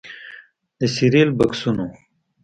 د سیریل بکسونو